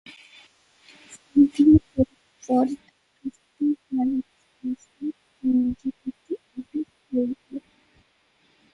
Frogley rode for the Crystal Palace Glaziers the majority of his career.